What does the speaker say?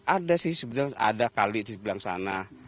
ada sih sebenarnya ada kali di sebelah sana